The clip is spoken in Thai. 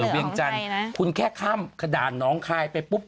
เวียงจันทร์คุณแค่ข้ามกระดานกระดานน้องขายไปปุ๊บ